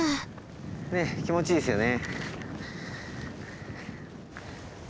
ねえ気持ちいいですよね。